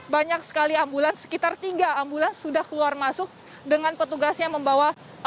banyak sekali ambulans sekitar tiga ambulans sudah keluar masuk dengan petugasnya membawa